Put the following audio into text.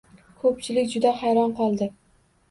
Koʻpchilik juda hayron qoldi.